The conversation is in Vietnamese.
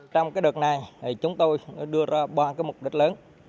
trong đợt này chúng tôi đưa ra ba mục đích lớn